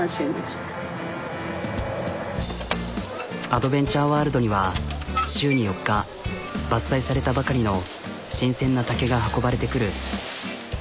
アドベンチャーワールドには週に４日伐採されたばかりの新鮮な竹が運ばれてくる。